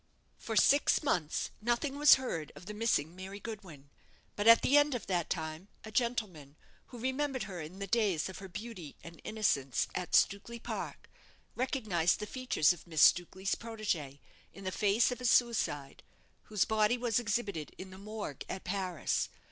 "For six months nothing was heard of the missing Mary Goodwin; but at the end of that time a gentleman, who remembered her in the days of her beauty and innocence at Stukely Park, recognized the features of Miss Stukely's protégée in the face of a suicide, whose body was exhibited in the Morgue at Paris.